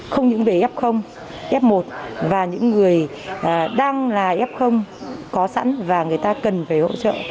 không những về f f một và những người đang là f có sẵn và người ta cần phải hỗ trợ